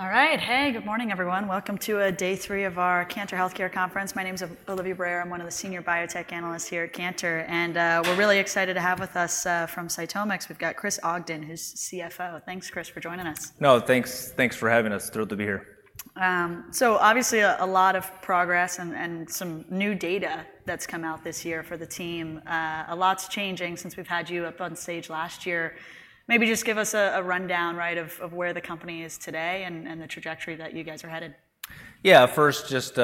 All right. Hey, good morning, everyone. Welcome to day three of our Cantor Healthcare Conference. My name is Olivia Brayer. I'm one of the senior biotech analysts here at Cantor, and we're really excited to have with us from CytomX, we've got Chris Ogden, who's CFO. Thanks, Chris, for joining us. No, thanks. Thanks for having us. Thrilled to be here. So obviously, a lot of progress and some new data that's come out this year for the team. A lot's changing since we've had you up on stage last year. Maybe just give us a rundown, right, of where the company is today and the trajectory that you guys are headed. Yeah, first, just,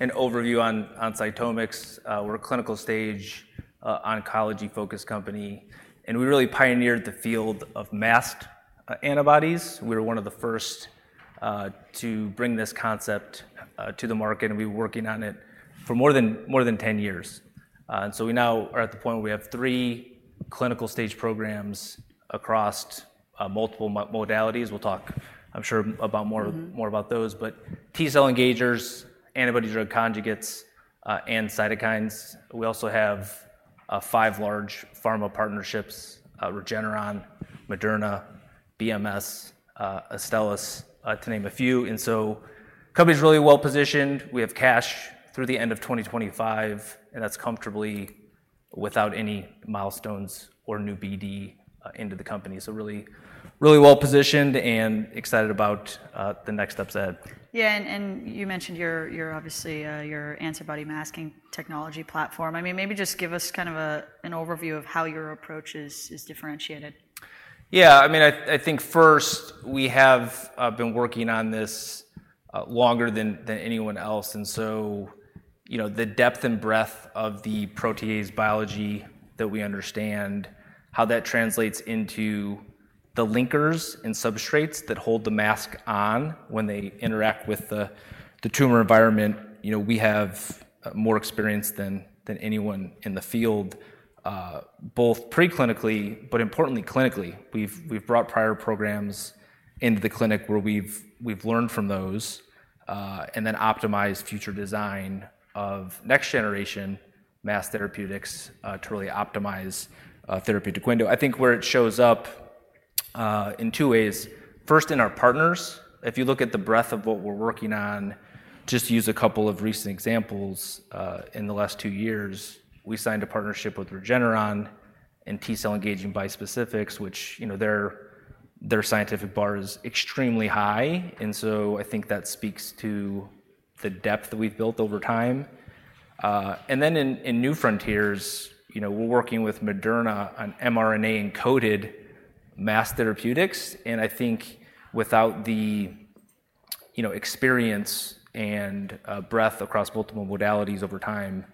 an overview on CytomX. We're a clinical stage, oncology-focused company, and we really pioneered the field of masked antibodies. We were one of the first to bring this concept to the market, and we've been working on it for more than 10 years. And so we now are at the point where we have three clinical stage programs across multiple modalities. We'll talk, I'm sure, about more- Mm-hmm... more about those, but T cell engagers, antibody-drug conjugates, and cytokines. We also have five large pharma partnerships, Regeneron, Moderna, BMS, Astellas, to name a few. And so the company's really well-positioned. We have cash through the end of 2025, and that's comfortably without any milestones or new BD into the company, so really, really well-positioned and excited about the next steps ahead. Yeah, and you mentioned, obviously, your antibody masking technology platform. I mean, maybe just give us kind of an overview of how your approach is differentiated. Yeah, I mean, I think first, we have been working on this longer than anyone else, and so, you know, the depth and breadth of the protease biology that we understand, how that translates into the linkers and substrates that hold the mask on when they interact with the tumor environment, you know, we have more experience than anyone in the field, both pre-clinically, but importantly, clinically. We've brought prior programs into the clinic, where we've learned from those, and then optimized future design of next generation masked therapeutics to really optimize a therapeutic window. I think where it shows up in two ways, first, in our partners. If you look at the breadth of what we're working on, just to use a couple of recent examples, in the last two years, we signed a partnership with Regeneron in T cell engaging bispecifics, which, you know, their scientific bar is extremely high, and so I think that speaks to the depth that we've built over time. And then in new frontiers, you know, we're working with Moderna on mRNA-encoded masked therapeutics, and I think without the, you know, experience and, breadth across multiple modalities over time,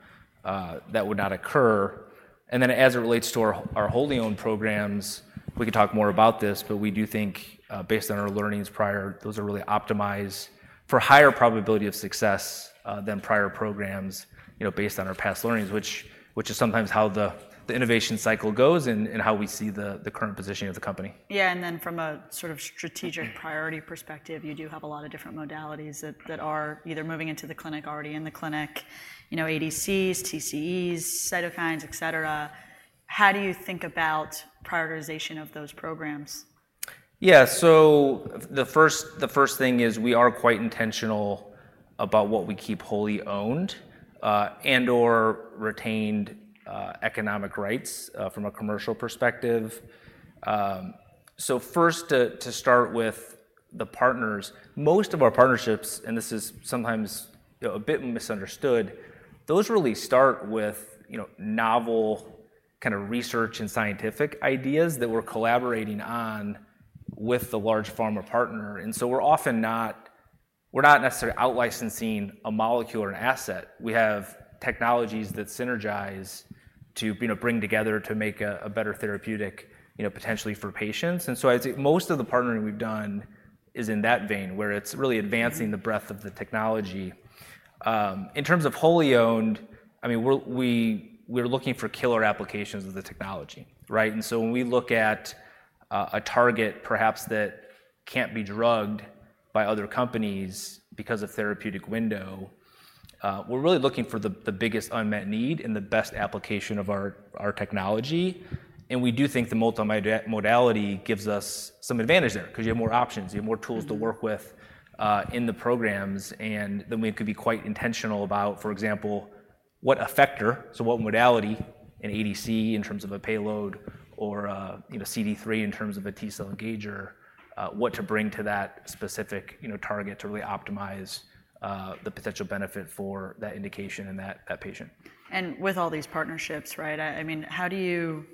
that would not occur. And then as it relates to our wholly owned programs, we can talk more about this, but we do think, based on our learnings prior, those are really optimized for higher probability of success than prior programs, you know, based on our past learnings, which is sometimes how the innovation cycle goes and how we see the current positioning of the company. Yeah, and then from a sort of strategic priority perspective, you do have a lot of different modalities that- Right... that are either moving into the clinic, already in the clinic, you know, ADCs, TCEs, cytokines, et cetera. How do you think about prioritization of those programs? Yeah, so the first thing is we are quite intentional about what we keep wholly owned, and/or retained economic rights from a commercial perspective. So first, to start with the partners, most of our partnerships, and this is sometimes, you know, a bit misunderstood, those really start with, you know, novel kind of research and scientific ideas that we're collaborating on with the large pharma partner, and so we're not necessarily out-licensing a molecule or an asset. We have technologies that synergize to, you know, bring together to make a better therapeutic, you know, potentially for patients. And so I'd say most of the partnering we've done is in that vein, where it's really advancing the breadth of the technology. In terms of wholly owned, I mean, we're looking for killer applications of the technology, right? And so when we look at a target, perhaps that can't be drugged by other companies because of therapeutic window, we're really looking for the biggest unmet need and the best application of our technology, and we do think the multi-modality gives us some advantage there, 'cause you have more options, you have more tools to work with- Mm-hmm... in the programs, and then we could be quite intentional about, for example, what effector, so what modality in ADC in terms of a payload or, you know, CD3 in terms of a T cell engager, what to bring to that specific, you know, target to really optimize the potential benefit for that indication and that patient. With all these partnerships, right? I mean, how do you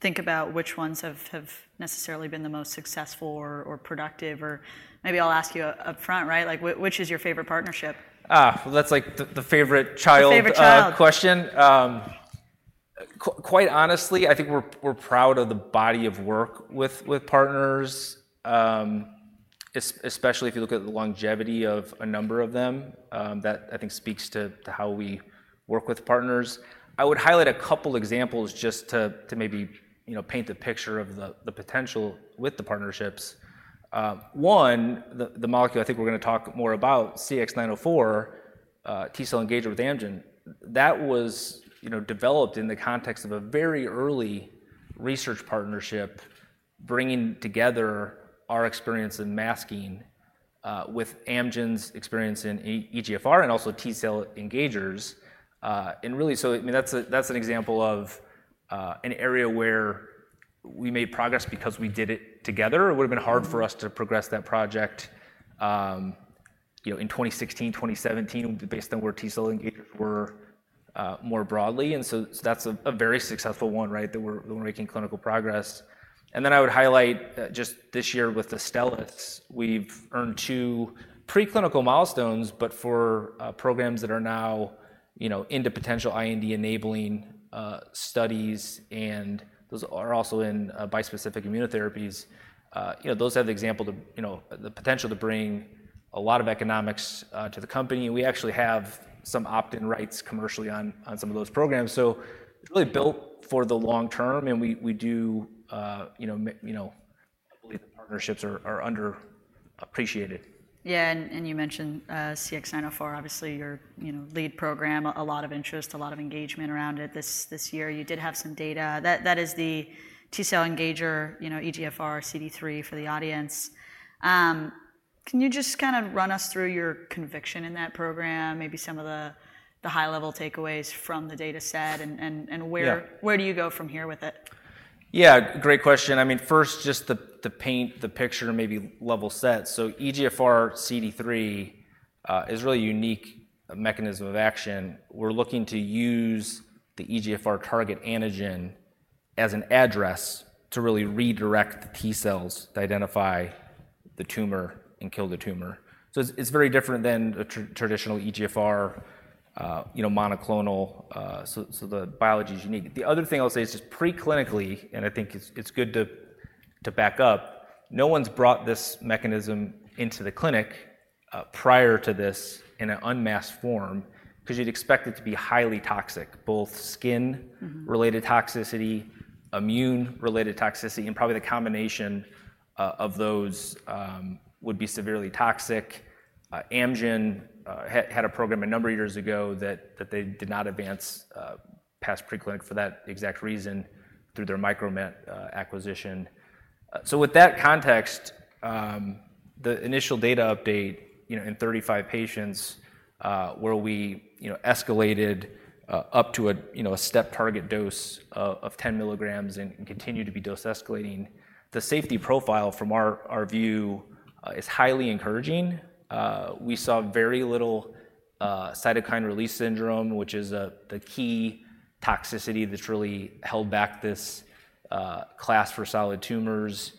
think about which ones have necessarily been the most successful or productive, or maybe I'll ask you upfront, right? Like, which is your favorite partnership? Ah, well, that's like the favorite child- The favorite child.... question. Quite honestly, I think we're proud of the body of work with partners. Especially if you look at the longevity of a number of them, that I think speaks to how we work with partners. I would highlight a couple examples just to maybe, you know, paint the picture of the potential with the partnerships. One, the molecule I think we're going to talk more about, CX-904, T cell engager with Amgen. That was, you know, developed in the context of a very early research partnership, bringing together our experience in masking with Amgen's experience in EGFR, and also T-cell engagers. And really, so I mean, that's an example of an area where we made progress because we did it together. It would've been hard- Mm-hmm. For us to progress that project, you know, in 2016, 2017, based on where T-cell engagers were more broadly, and so that's a very successful one, right? That we're making clinical progress. And then I would highlight just this year with Astellas, we've earned two preclinical milestones, but for programs that are now, you know, into potential IND-enabling studies, and those are also in bispecific immunotherapies. You know, those have the example of, you know, the potential to bring a lot of economics to the company. We actually have some opt-in rights commercially on some of those programs, so it's really built for the long term, and we do, you know, I believe the partnerships are underappreciated. Yeah, and you mentioned CX-904, obviously your, you know, lead program, a lot of interest, a lot of engagement around it this year. You did have some data. That is the T-cell engager, you know, EGFR CD3 for the audience. Can you just kind of run us through your conviction in that program, maybe some of the high-level takeaways from the data set, and where- Yeah. Where do you go from here with it? Yeah, great question. I mean, first, just to paint the picture, maybe level set. So EGFR CD3 is a really unique mechanism of action. We're looking to use the EGFR target antigen as an address to really redirect the T cells to identify the tumor and kill the tumor. So it's very different than a traditional EGFR, you know, monoclonal. So the biology is unique. The other thing I'll say is just preclinically, and I think it's good to back up, no one's brought this mechanism into the clinic prior to this in an unmasked form, 'cause you'd expect it to be highly toxic, both skin- Mm-hmm... related toxicity, immune-related toxicity, and probably the combination of those would be severely toxic. Amgen had a program a number of years ago that they did not advance past preclinical for that exact reason through their Micromet acquisition. So with that context, the initial data update, you know, in 35 patients, where we, you know, escalated up to a step target dose of 10 milligrams and continued to be dose escalating, the safety profile from our view is highly encouraging. We saw very little cytokine release syndrome, which is the key toxicity that's really held back this class for solid tumors.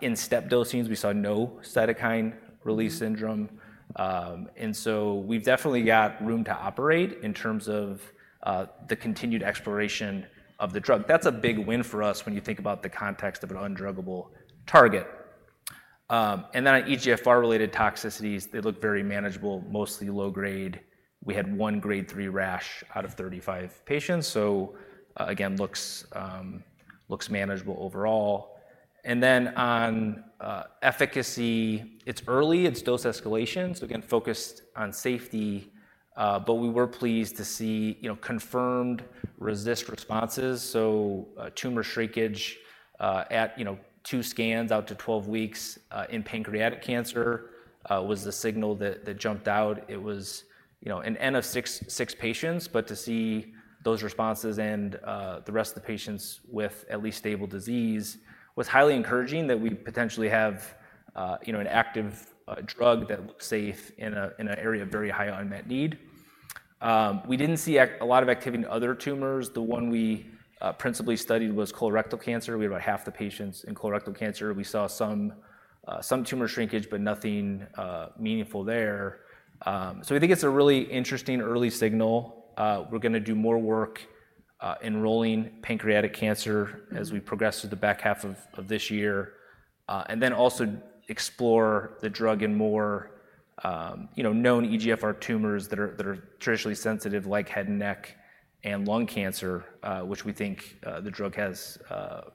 In step dosings, we saw no cytokine release syndrome. Mm-hmm. And so we've definitely got room to operate in terms of the continued exploration of the drug. That's a big win for us when you think about the context of an undruggable target. And then on EGFR-related toxicities, they look very manageable, mostly low grade. We had one Grade 3 rash out of 35 patients, so again, looks manageable overall. And then on efficacy, it's early, it's dose escalation, so again, focused on safety, but we were pleased to see, you know, confirmed partial responses. So tumor shrinkage at you know, two scans out to 12 weeks in pancreatic cancer was the signal that jumped out. It was, you know, an N of six, six patients, but to see those responses and the rest of the patients with at least stable disease, was highly encouraging that we potentially have, you know, an active drug that looks safe in an area of very high unmet need. We didn't see a lot of activity in other tumors. The one we principally studied was colorectal cancer. We had about half the patients in colorectal cancer. We saw some some tumor shrinkage, but nothing meaningful there. So I think it's a really interesting early signal. We're gonna do more work, enrolling pancreatic cancer- Mm-hmm... as we progress through the back half of this year, and then also explore the drug in more, you know, known EGFR tumors that are traditionally sensitive, like head and neck, and lung cancer, which we think the drug has,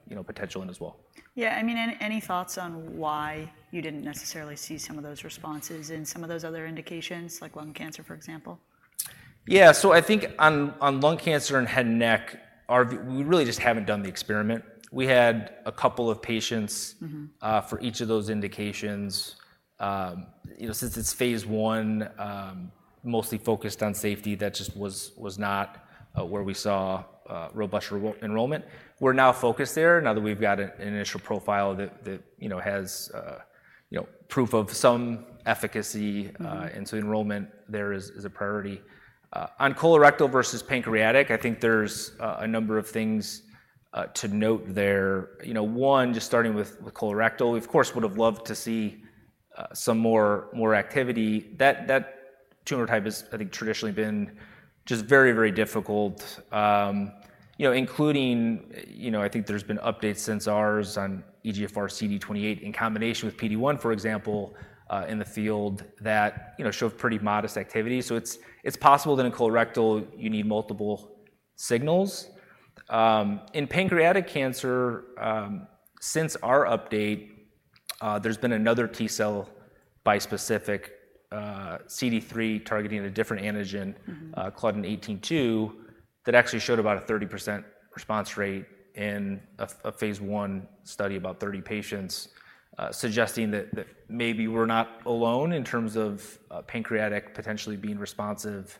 you know, potential in as well. Yeah, I mean, any thoughts on why you didn't necessarily see some of those responses in some of those other indications, like lung cancer, for example? Yeah, so I think on, on lung cancer and head and neck, our view, we really just haven't done the experiment. We had a couple of patients- Mm-hmm... for each of those indications. You know, since it's phase I, mostly focused on safety, that just was not where we saw robust enrollment. We're now focused there, now that we've got an initial profile that you know has you know proof of some efficacy- Mm-hmm... and so enrollment there is a priority. On colorectal versus pancreatic, I think there's a number of things to note there. You know, one, just starting with colorectal, we of course would've loved to see some more activity. That tumor type has, I think, traditionally been just very difficult, you know, including. You know, I think there's been updates since ours on EGFR CD28 in combination with PD-1, for example, in the field that, you know, showed pretty modest activity. So it's possible that in colorectal you need multiple signals. In pancreatic cancer, since our update, there's been another T cell bispecific, CD3 targeting a different antigen. Mm-hmm. Claudin-18.2, that actually showed about a 30% response rate in a phase I study, about 30 patients, suggesting that maybe we're not alone in terms of pancreatic potentially being responsive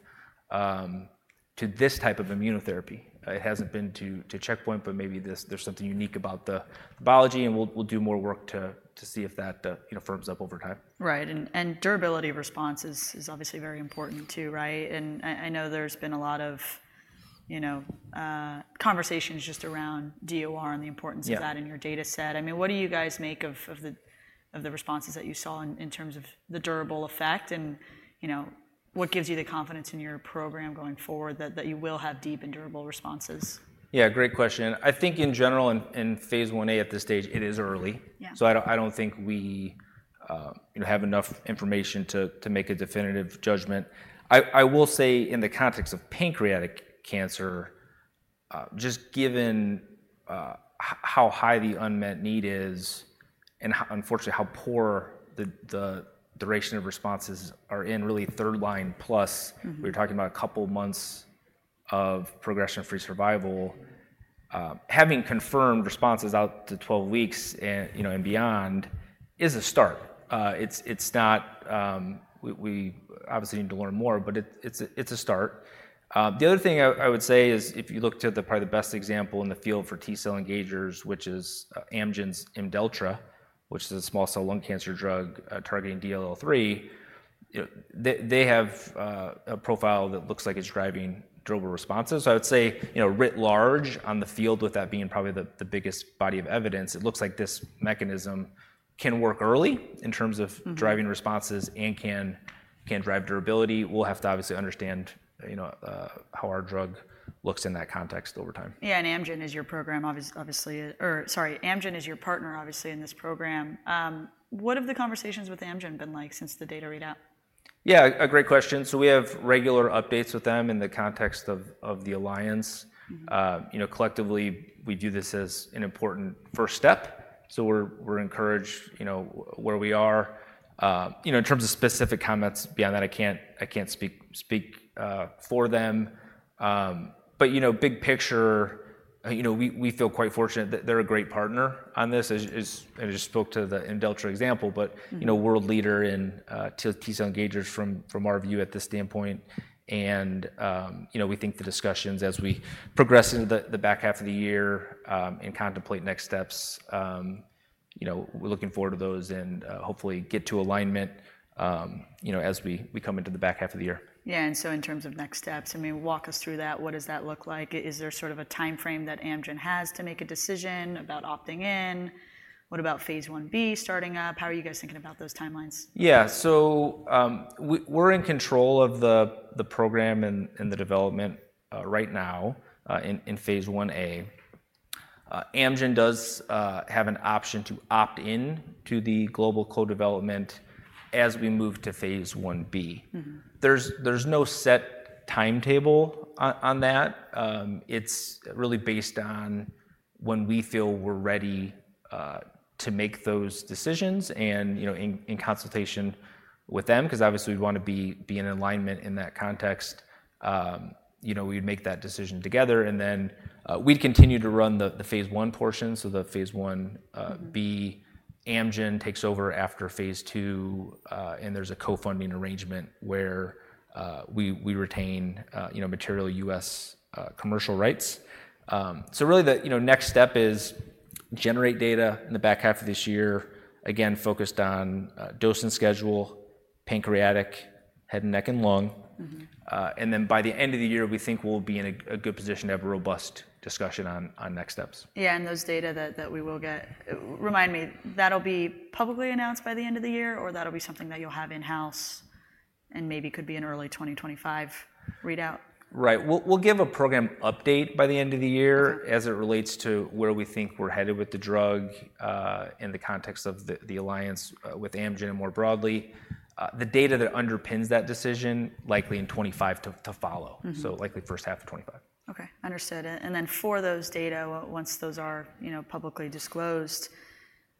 to this type of immunotherapy. It hasn't been to checkpoint, but maybe there's something unique about the biology, and we'll do more work to see if that you know firms up over time. Right, and durability of response is obviously very important, too, right? And I know there's been a lot of, you know, conversations just around DOR and the importance of that- Yeah... in your data set. I mean, what do you guys make of the responses that you saw in terms of the durable effect and, you know, what gives you the confidence in your program going forward that you will have deep and durable responses? Yeah, great question. I think in general, in phase Ia at this stage, it is early. Yeah. So I don't think we, you know, have enough information to make a definitive judgment. I will say, in the context of pancreatic cancer, just given, how high the unmet need is and unfortunately, how poor the duration of responses are in really third line plus- Mm-hmm.... we're talking about a couple months of progression-free survival. Having confirmed responses out to twelve weeks and, you know, and beyond is a start. It's not... We obviously need to learn more, but it's a start. The other thing I would say is if you looked at probably the best example in the field for T cell engagers, which is Amgen's Imdelltra, which is a small cell lung cancer drug, targeting DLL3, you know, they have a profile that looks like it's driving durable responses. So I would say, you know, writ large on the field, with that being probably the biggest body of evidence, it looks like this mechanism can work early in terms of- Mm-hmm... driving responses and can drive durability. We'll have to obviously understand, you know, how our drug looks in that context over time. Yeah, and Amgen is your program, obviously, or, sorry, Amgen is your partner, obviously, in this program. What have the conversations with Amgen been like since the data readout? Yeah, a great question. So we have regular updates with them in the context of the alliance. Mm-hmm. You know, collectively, we view this as an important first step, so we're encouraged, you know, where we are. You know, in terms of specific comments beyond that, I can't speak for them, but you know, big picture, you know, we feel quite fortunate that they're a great partner on this, as I just spoke to the Imdelltra example. Mm-hmm. But, you know, world leader in T cell engagers from our view at this standpoint, and, you know, we think the discussions as we progress into the back half of the year, you know, we're looking forward to those, and hopefully get to alignment, you know, as we come into the back half of the year. Yeah, and so in terms of next steps, I mean, walk us through that. What does that look like? Is there sort of a timeframe that Amgen has to make a decision about opting in? What about phase 1b starting up? How are you guys thinking about those timelines? Yeah. So, we're in control of the program and the development right now in phase Ia. Amgen does have an option to opt in to the global co-development as we move to phase 1b. Mm-hmm. There's no set timetable on that. It's really based on when we feel we're ready to make those decisions and, you know, in consultation with them, 'cause obviously we'd want to be in alignment in that context. You know, we'd make that decision together, and then we'd continue to run the phase 1 portion, so the phase 1a- Mm-hmm... Ib. Amgen takes over after phase II, and there's a co-funding arrangement where we retain, you know, material U.S. commercial rights. So really the, you know, next step is generate data in the back half of this year, again, focused on dosing schedule, pancreatic, head and neck, and lung. Mm-hmm. And then by the end of the year, we think we'll be in a good position to have a robust discussion on next steps. Yeah, and those data that we will get, remind me, that'll be publicly announced by the end of the year, or that'll be something that you'll have in-house and maybe could be an early 2025 readout? Right. We'll give a program update by the end of the year- Okay... as it relates to where we think we're headed with the drug, in the context of the alliance, with Amgen and more broadly. The data that underpins that decision, likely in 2025 to follow. Mm-hmm. Likely first half of 2025. Okay, understood. And then for those data, once those are, you know, publicly disclosed,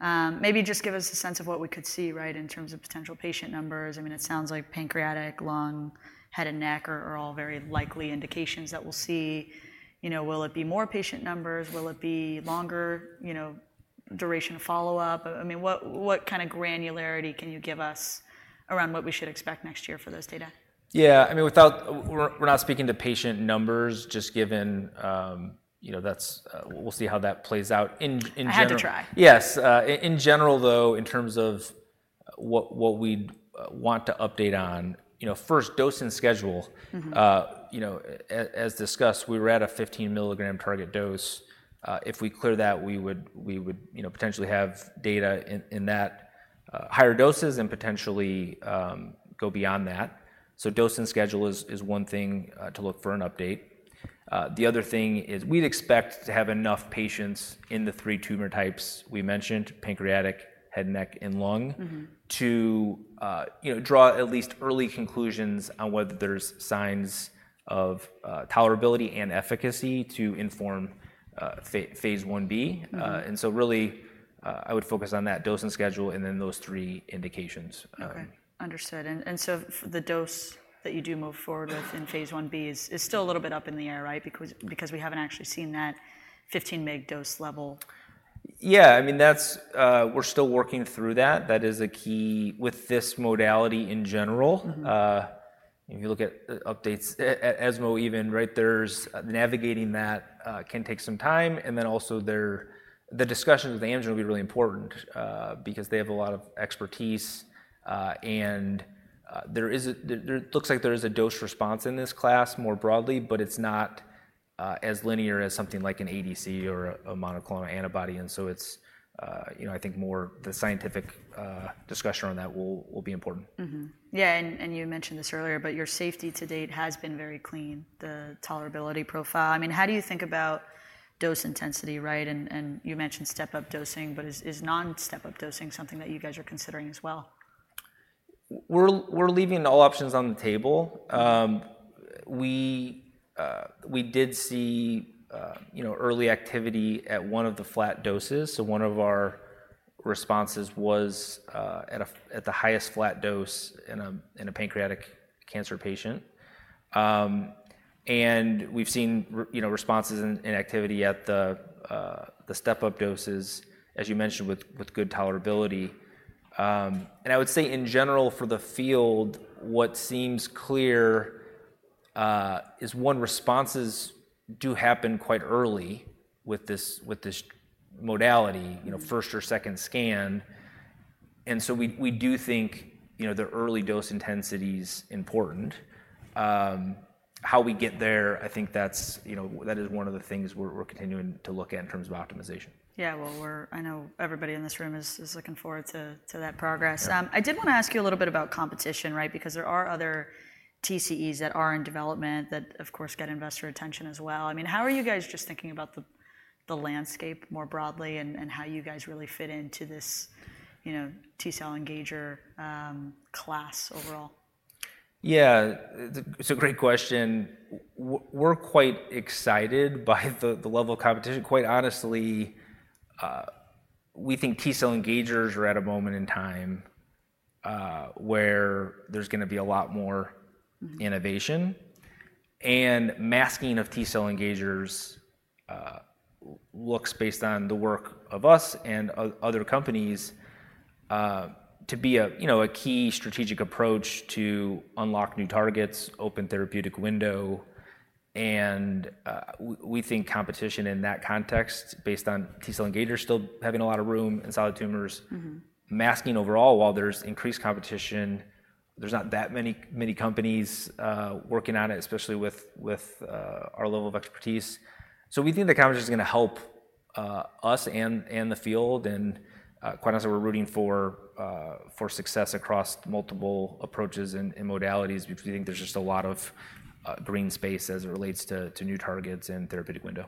maybe just give us a sense of what we could see, right, in terms of potential patient numbers. I mean, it sounds like pancreatic, lung, head and neck are all very likely indications that we'll see. You know, will it be more patient numbers? Will it be longer, you know, duration of follow-up? I mean, what kind of granularity can you give us around what we should expect next year for those data? Yeah, I mean, without... We're not speaking to patient numbers, just given, you know, that's. We'll see how that plays out. In general- I had to try. Yes. In general, though, in terms of what we'd want to update on, you know, first dosing schedule- Mm-hmm... you know, as discussed, we were at a 15-milligram target dose. If we clear that, we would, you know, potentially have data in that higher doses and potentially go beyond that. So dosing schedule is one thing to look for an update. The other thing is we'd expect to have enough patients in the three tumor types we mentioned, pancreatic, head and neck, and lung- Mm-hmm... to, you know, draw at least early conclusions on whether there's signs of tolerability and efficacy to inform phase 1b. Mm-hmm. And so really I would focus on that dosing schedule, and then those three indications. Okay, understood. The dose that you do move forward with in phase 1b is still a little bit up in the air, right? Because we haven't actually seen that 15 mg dose level. Yeah, I mean, that's... We're still working through that. That is a key with this modality in general. Mm-hmm. If you look at updates at ESMO even, right, there's navigating that can take some time, and then also the discussions with Amgen will be really important, because they have a lot of expertise. And there looks like there is a dose response in this class more broadly, but it's not as linear as something like an ADC or a monoclonal antibody, and so it's, you know, I think more the scientific discussion on that will be important. Mm-hmm. Yeah, and you mentioned this earlier, but your safety to date has been very clean, the tolerability profile. I mean, how do you think about dose intensity, right? And you mentioned step-up dosing, but is non-step-up dosing something that you guys are considering as well? We're leaving all options on the table. We did see, you know, early activity at one of the flat doses, so one of our responses was at the highest flat dose in a pancreatic cancer patient, and we've seen, you know, responses and activity at the step-up doses, as you mentioned, with good tolerability, and I would say in general for the field, what seems clear is, one, responses do happen quite early with this modality. Mm-hmm... you know, first or second scan, and so we do think, you know, the early dose intensity is important. How we get there, I think that's, you know, that is one of the things we're continuing to look at in terms of optimization. Yeah. Well, I know everybody in this room is looking forward to that progress. Yeah. I did wanna ask you a little bit about competition, right? Because there are other TCEs that are in development, that, of course, get investor attention as well. I mean, how are you guys just thinking about the landscape more broadly and how you guys really fit into this, you know, T cell engager class overall? Yeah, it's a great question. We're quite excited by the level of competition. Quite honestly, we think T cell engagers are at a moment in time where there's gonna be a lot more- Mm-hmm... innovation and masking of T cell engagers, looks based on the work of us and other companies, to be a, you know, a key strategic approach to unlock new targets, open therapeutic window. And, we think competition in that context, based on T cell engagers still having a lot of room in solid tumors- Mm-hmm... masking overall. While there's increased competition, there's not that many, many companies working on it, especially with our level of expertise. So we think the competition is gonna help us and the field, and quite honestly, we're rooting for success across multiple approaches and modalities because we think there's just a lot of green space as it relates to new targets and therapeutic window.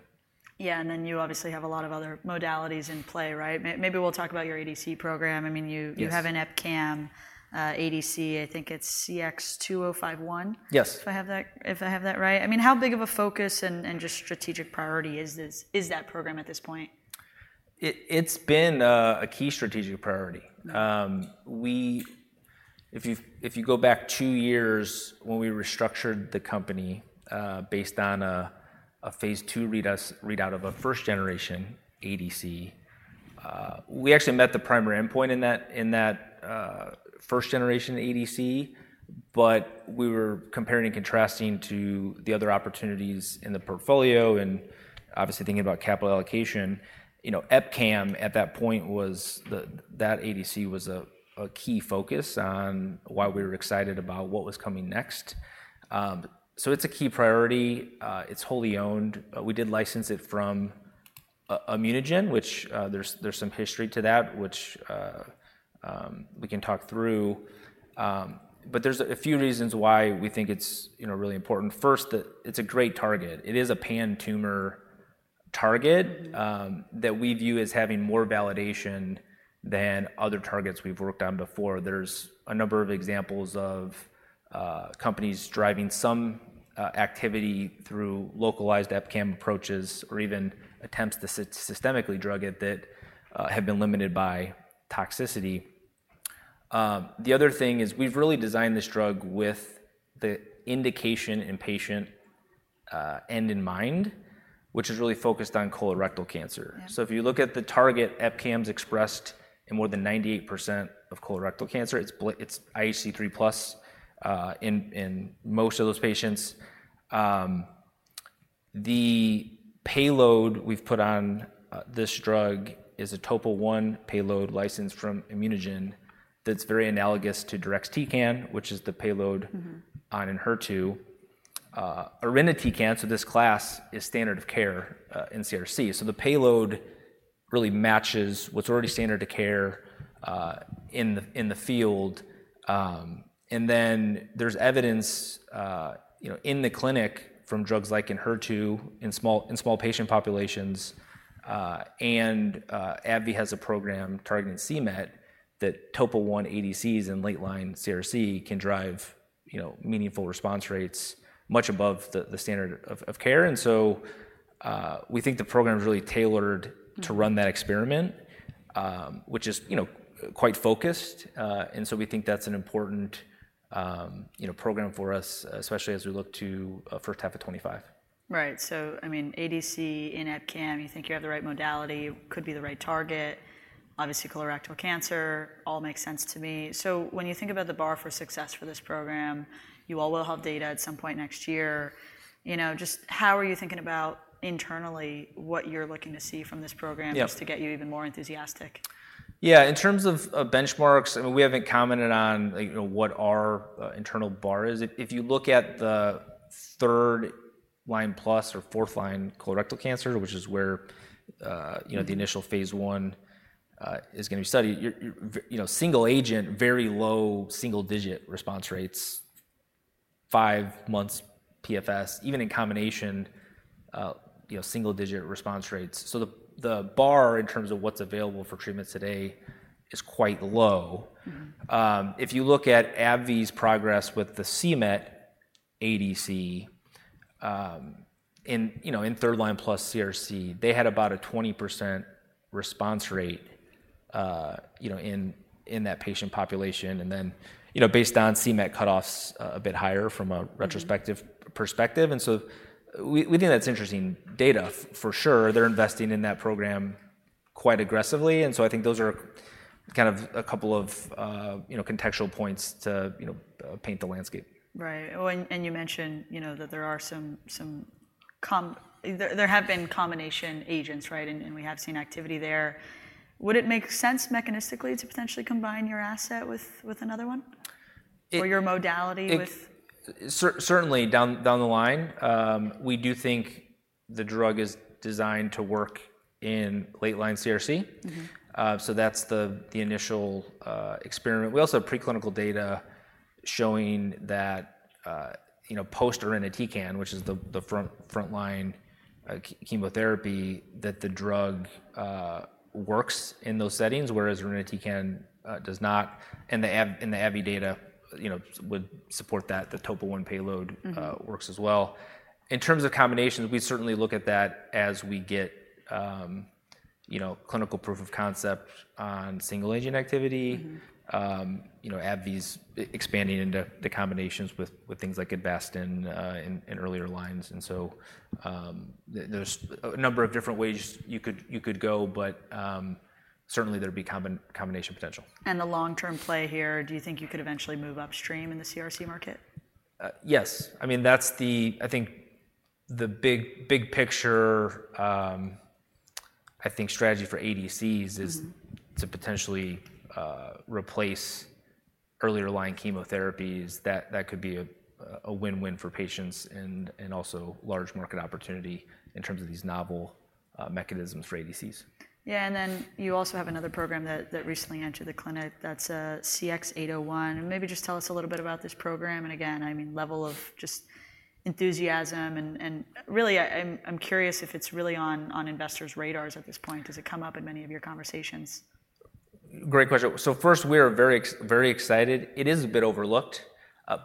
Yeah, and then you obviously have a lot of other modalities in play, right? Maybe we'll talk about your ADC program. I mean, you- Yes... you have an EpCAM, ADC. I think it's CX-2051? Yes. If I have that right. I mean, how big of a focus and just strategic priority is that program at this point? It's been a key strategic priority. Mm. If you go back two years, when we restructured the company, based on a phase 2 readout of a first generation ADC, we actually met the primary endpoint in that first generation ADC, but we were comparing and contrasting to the other opportunities in the portfolio and obviously thinking about capital allocation. You know, EpCAM, at that point, was the... That ADC was a key focus on why we were excited about what was coming next. So it's a key priority. It's wholly owned. We did license it from ImmunoGen, which, there's some history to that, which we can talk through. But there's a few reasons why we think it's, you know, really important. First, that it's a great target. It is a pan-tumor target. Mm... that we view as having more validation than other targets we've worked on before. There's a number of examples of companies driving some activity through localized EpCAM approaches or even attempts to systemically drug it that have been limited by toxicity. The other thing is we've really designed this drug with the indication and patient end in mind, which is really focused on colorectal cancer. Yeah. If you look at the target, EpCAM is expressed in more than 98% of colorectal cancer. It's IHC 3+ in most of those patients. The payload we've put on this drug is a Topo 1 payload licensed from ImmunoGen that's very analogous to deruxtecan, which is the payload- Mm-hmm... on in Enhertu. irinotecan, so this class is standard of care in CRC, so the payload really matches what's already standard of care in the field. And then there's evidence, you know, in the clinic from drugs like Enhertu in small patient populations. And AbbVie has a program targeting c-Met, that Topo 1 ADCs in late-line CRC can drive... you know, meaningful response rates much above the standard of care. And so we think the program is really tailored- Mm. -to run that experiment, which is, you know, quite focused. And so we think that's an important, you know, program for us, especially as we look to first half of 2025. Right. So I mean, ADC in EpCAM, you think you have the right modality, could be the right target, obviously, colorectal cancer, all makes sense to me. So when you think about the bar for success for this program, you all will have data at some point next year, you know, just how are you thinking about internally, what you're looking to see from this program- Yeah -just to get you even more enthusiastic? Yeah, in terms of, of benchmarks, and we haven't commented on, like, you know, what our internal bar is. If, if you look at the third line plus or fourth line colorectal cancer, which is where- Mm-hmm... you know, the initial phase I is gonna be studied. You know, single agent, very low single digit response rates, five months PFS, even in combination, you know, single digit response rates. So the bar, in terms of what's available for treatments today, is quite low. Mm-hmm. If you look at AbbVie's progress with the c-Met ADC, you know, in third line plus CRC, they had about a 20% response rate, you know, in that patient population, and then, you know, based on c-Met cutoffs, a bit higher from a- Mm... retrospective perspective, and so we think that's interesting data, for sure. They're investing in that program quite aggressively, and so I think those are kind of a couple of, you know, contextual points to, you know, paint the landscape. Right. Oh, and you mentioned, you know, that there are some combination agents, right? And we have seen activity there. Would it make sense mechanistically to potentially combine your asset with another one? It- Or your modality with- Certainly down the line. We do think the drug is designed to work in late-line CRC. Mm-hmm. So that's the initial experiment. We also have preclinical data showing that, you know, post irinotecan, which is the frontline chemotherapy, that the drug works in those settings, whereas irinotecan does not, and the AbbVie data, you know, would support that the Topo 1 payload- Mm... works as well. In terms of combinations, we certainly look at that as we get, you know, clinical proof of concept on single-agent activity. Mm-hmm. You know, AbbVie's expanding into the combinations with things like Avastin in earlier lines, and so, there's a number of different ways you could go, but certainly there'd be combination potential. The long-term play here, do you think you could eventually move upstream in the CRC market? Yes. I mean, I think the big, big picture. I think strategy for ADCs- Mm-hmm... is to potentially replace earlier line chemotherapies, that could be a win-win for patients and also large market opportunity in terms of these novel mechanisms for ADCs. Yeah, and then you also have another program that recently entered the clinic, that's CX-801. And maybe just tell us a little bit about this program, and again, I mean, level of just enthusiasm and really, I'm curious if it's really on investors' radars at this point. Does it come up in many of your conversations? Great question. So first, we're very excited. It is a bit overlooked.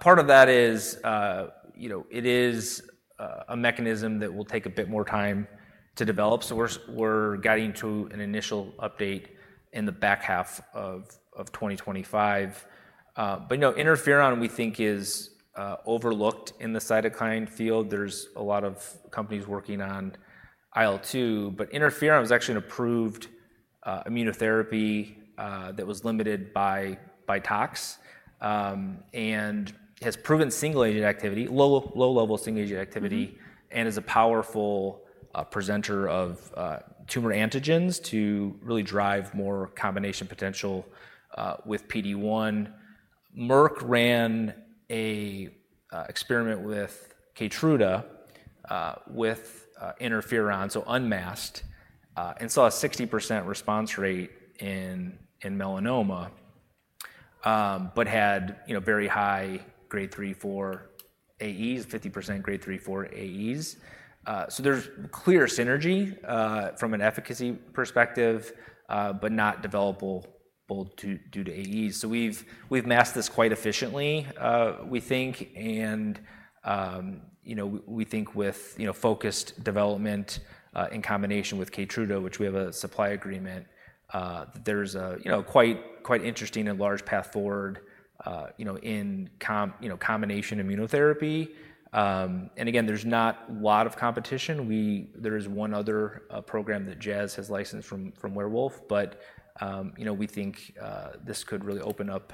Part of that is, you know, it is a mechanism that will take a bit more time to develop, so we're guiding to an initial update in the back half of 2025. But you know, interferon, we think, is overlooked in the cytokine field. There's a lot of companies working on IL-2, but interferon was actually an approved immunotherapy that was limited by tox and has proven single-agent activity, low-level single-agent activity. Mm-hmm... and is a powerful presenter of tumor antigens to really drive more combination potential with PD-1. Merck ran an experiment with Keytruda with interferon, so unmasked, and saw a 60% response rate in melanoma, but had, you know, very high Grade III, IV AEs, 50% Grade III, IV AEs. So there's clear synergy from an efficacy perspective, but not developable due to AEs. So we've masked this quite efficiently, we think, and, you know, we think with, you know, focused development in combination with Keytruda, which we have a supply agreement, there's a, you know, quite interesting and large path forward, you know, in combination immunotherapy. And again, there's not a lot of competition. There is one other program that Jazz has licensed from Werewolf, but you know, we think this could really open up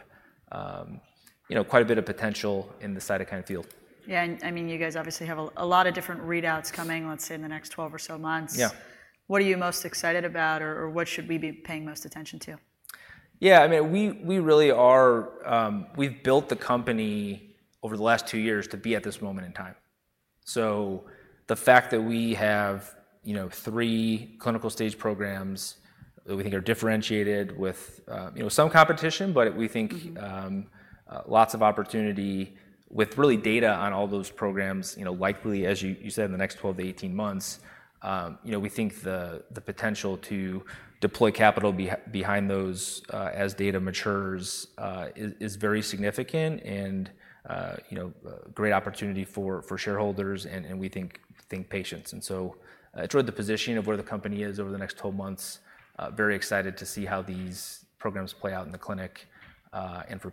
you know, quite a bit of potential in the cytokine field. Yeah, and I mean, you guys obviously have a lot of different readouts coming, let's say, in the next 12 or so months. Yeah. What are you most excited about, or what should we be paying most attention to? Yeah, I mean, we, we really are... We've built the company over the last two years to be at this moment in time. So the fact that we have, you know, three clinical stage programs that we think are differentiated with, you know, some competition, but we think- Mm-hmm... lots of opportunity with real data on all those programs, you know, likely as you said in the next twelve to eighteen months, you know, we think the potential to deploy capital behind those as data matures is very significant and, you know, a great opportunity for shareholders and we think patients. So toward the position of where the company is over the next twelve months, very excited to see how these programs play out in the clinic and for-